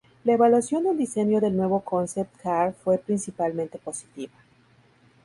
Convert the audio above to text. La evaluación del diseño del nuevo concept car fue principalmente positiva.